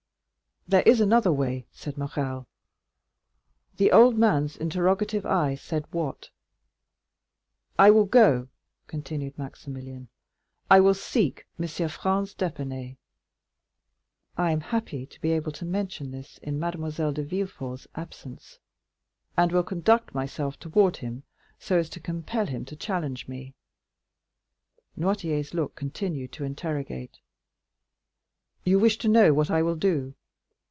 "There is another way," said Morrel. The old man's interrogative eye said, "Which?" "I will go," continued Maximilian, "I will seek M. Franz d'Épinay—I am happy to be able to mention this in Mademoiselle de Villefort's absence—and will conduct myself toward him so as to compel him to challenge me." Noirtier's look continued to interrogate. "You wish to know what I will do?"